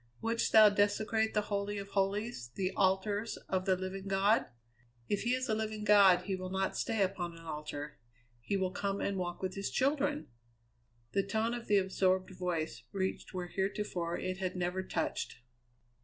"Wouldst thou desecrate the holy of holies, the altars of the living God?" "If he is a living God he will not stay upon an altar; he will come and walk with his children!" The tone of the absorbed voice reached where heretofore it had never touched.